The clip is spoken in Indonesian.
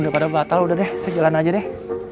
daripada batal udah deh saya jalan aja deh